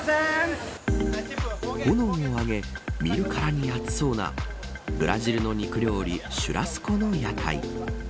炎を上げ見るからに暑そうなブラジルの肉料理シュラスコの屋台。